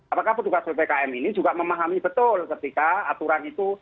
apakah petugas ppkm ini juga memahami betul ketika aturan itu